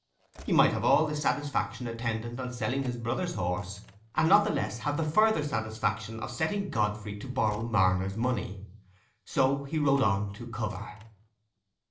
He might have all the satisfaction attendant on selling his brother's horse, and not the less have the further satisfaction of setting Godfrey to borrow Marner's money. So he rode on to cover.